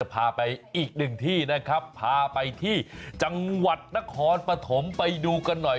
พาไปอีกหนึ่งที่นะครับพาไปที่จังหวัดนครปฐมไปดูกันหน่อย